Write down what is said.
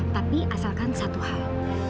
tapi asalkan satu hal